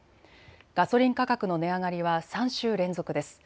ガソリン価格の値上がりは３週連続です。